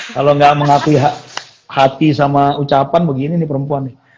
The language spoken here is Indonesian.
kalau nggak mengakui hati sama ucapan begini nih perempuan nih